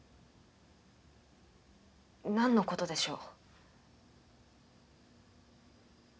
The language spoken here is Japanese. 何の事でしょう？